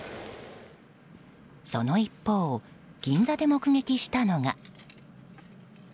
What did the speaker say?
その一方銀座で目撃したのが。